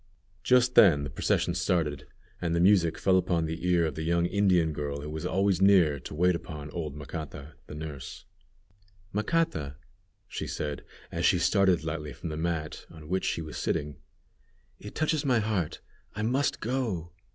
Just then the procession started, and the music fell upon the ear of the young Indian girl who was always near to wait upon old Macata, the nurse. "Macata," she said, as she started lightly from the mat on which she was sitting, "it touches my heart; I must go!